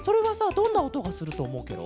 どんなおとがするとおもうケロ？